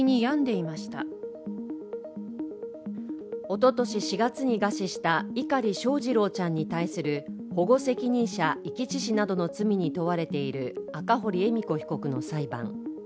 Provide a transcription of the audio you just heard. おととし４月に餓死した碇翔士郎ちゃんに対する保護責任者遺棄致死などの罪に問われている赤堀恵美子被告の裁判。